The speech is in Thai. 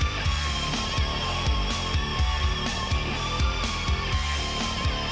โปรดติดตามตอนต่อไป